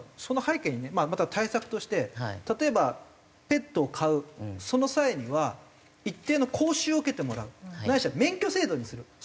その背景にねまたは対策として例えばペットを飼うその際には一定の講習を受けてもらうないしは免許制度にする。